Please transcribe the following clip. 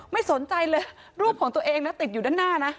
ไม่สนใจเลยรูปของตัวเองนะติดอยู่ด้านหน้านะ